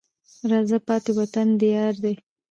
راڅخه پاته وطن د یار دی